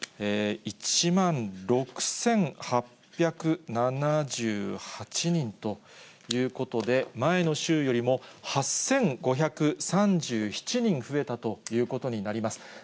１万６８７８人ということで、前の週よりも８５３７人増えたということになります。